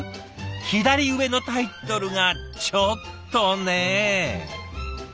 左上のタイトルがちょっとね。